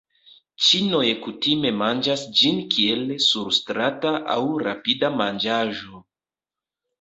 Ĉinoj kutime manĝas ĝin kiel surstrata aŭ rapida manĝaĵo.